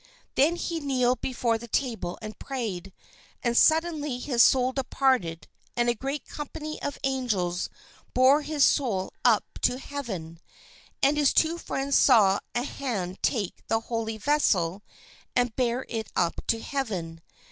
He then kneeled before the table and prayed, and suddenly his soul departed and a great company of angels bore his soul up to heaven. And his two friends saw a hand take the holy vessel and bear it up to heaven.